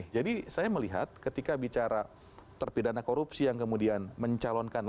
jadi saya melihat ketika bicara terpidana korupsi yang kemudian mencalonkan